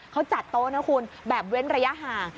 เขาจัดโต๊ะนะคุณแบบเว้นระยะห่าง